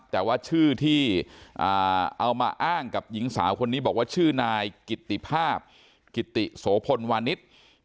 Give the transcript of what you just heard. แต่ว่าชื่อที่เอามาอ้างกับหญิงสาวคนนี้บอกว่าชื่อนายกิตติภาพกิติโสพลวานิส